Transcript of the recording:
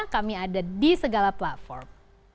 kami ada di segala platform